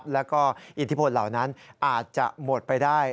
แล้วก็อิทธิพลเหล่านั้นอาจจะหมดไปได้